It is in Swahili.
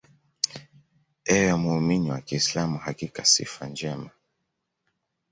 Ewe muumini wa kiislam Hakika sifa njema